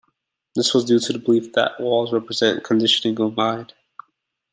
This was due to his belief that walls represent conditioning of mind.